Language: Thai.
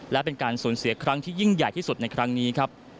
และเป็นการสูญเสียครั้งที่ยิ่งใหญ่ที่สุดในครั้งนี้ครับ